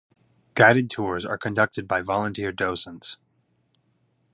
Guided tours are conducted by volunteer docents.